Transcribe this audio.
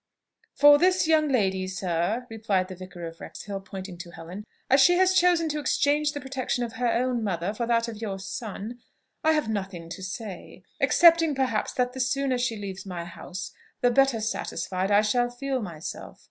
"For this young lady, sir," replied the Vicar of Wrexhill, pointing to Helen, "as she has chosen to exchange the protection of her own mother for that of your son, I have nothing to say, excepting, perhaps, that the sooner she leaves my house, the better satisfied I shall feel myself.